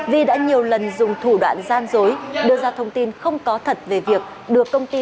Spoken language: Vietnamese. vi đã nhiều lần dùng thủ đoạn gian dối đưa ra thông tin không có thật về việc được công ty